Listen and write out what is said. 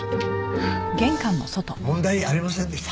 問題ありませんでした。